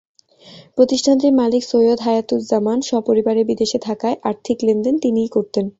প্রতিষ্ঠানটির মালিক সৈয়দ হায়াতুজ্জামান সপরিবারে বিদেশে থাকায় আর্থিক লেনদেন তিনিই করতেন।